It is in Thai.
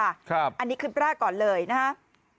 อันนี้คลิปล่าก่อนเลยนะคะ